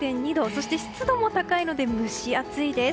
そして、湿度も高いので蒸し暑いです。